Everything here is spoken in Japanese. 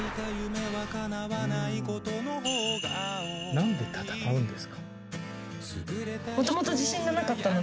なんで戦うんですか？